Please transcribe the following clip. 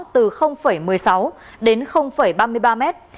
từ một mươi sáu đến ba mươi ba mét